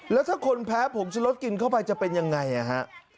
แล้วถ้าคนแพ้ผงชุรสกินเข้าไปจะเป็นอย่างไรนะฮะ